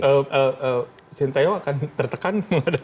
tapi sintayo akan tertekan